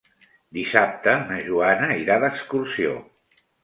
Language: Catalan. Dissabte na Joana irà d'excursió.